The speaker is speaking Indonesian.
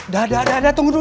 dada tunggu dulu